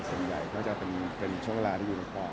ส่วนใหญ่ก็จะเป็นช่วงเวลาที่อยู่ในพอร์ต